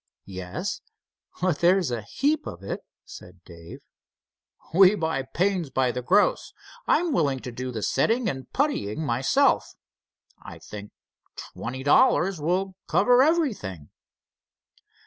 "Yes, but there's a heap of it," said Dave. "We buy the panes by the gross. I'm willing to do the setting and puttying myself. I think twenty dollars will cover everything."